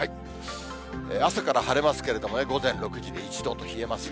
朝から晴れますけれどもね、午前６時に１度と冷えますね。